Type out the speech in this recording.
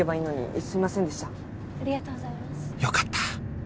よかった！